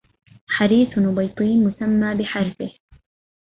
حريث نبيطي مسمى بحرثه